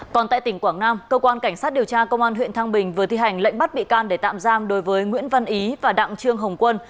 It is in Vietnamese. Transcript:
còn tại tỉnh quảng nam cơ quan cảnh sát điều tra công an huyện thăng bình vừa thi hành lệnh bắt bị can để tạm giam đối với nguyễn văn ý và đặng trương hồng quân